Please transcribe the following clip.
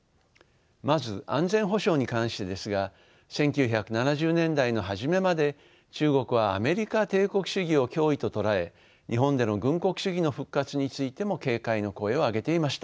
まず安全保障に関してですが１９７０年代の初めまで中国はアメリカ帝国主義を脅威と捉え日本での軍国主義の復活についても警戒の声を上げていました。